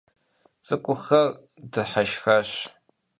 ЦӀыкӀухэр дыхьэшхащ.